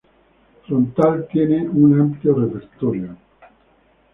Frontal tiene un amplio repertorio.